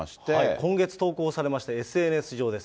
今月投稿されましたＳＮＳ上です。